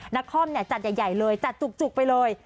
นครจัดใหญ่เลยจัดจุกไปเลย